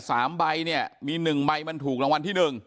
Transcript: สามใบเนี่ยมีหนึ่งใบมันถูกรางวัลที่หนึ่ง